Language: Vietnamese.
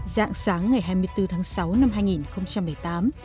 dạng sáng ngày hai mươi bốn tháng sáu năm hai nghìn một mươi tám